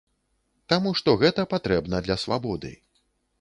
Таму што гэта патрэбна для свабоды.